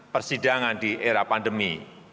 persidangan di era pandemi